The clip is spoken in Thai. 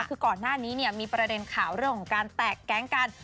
คือก่อนหน้านี้เนี่ยมีประเด็นข่าวเรื่องของการแตกแก๊งกัน